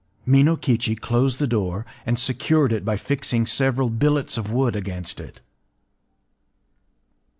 Minokichi closed the door, and secured it by fixing several billets of wood against it.